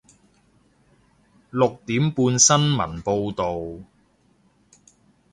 六點半鐘新聞報道